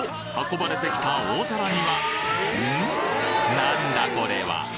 なんだこれは？